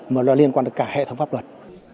mà nó liên quan đến cả hệ thống pháp luật